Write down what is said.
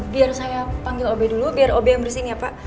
biar saya panggil obe dulu biar ob yang bersihin ya pak